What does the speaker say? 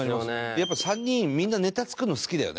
やっぱ３人みんなネタ作るの好きだよね。